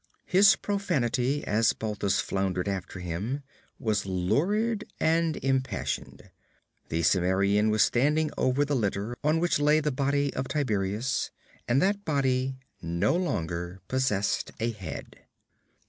His profanity, as Balthus floundered after him, was lurid and impassioned. The Cimmerian was standing over the litter on which lay the body of Tiberias. And that body no longer possessed a head.